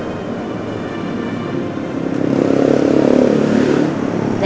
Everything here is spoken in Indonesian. ami jangan lupa